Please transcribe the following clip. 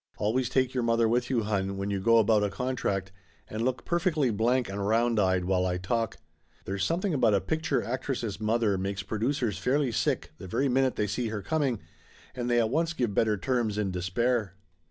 Always take your mother with you, hon, when you go about a con tract, and look perfectly blank and round eyed while I talk. There is something about a picture actress' mother makes producers fairly sick the very minute they see her coming, and they at once give better terms in despair."